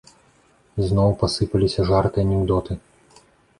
Зноў пасыпаліся жарты, анекдоты.